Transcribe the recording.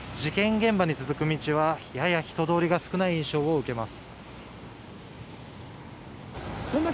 現場に続く道はやや人通りが少ない印象を受けます。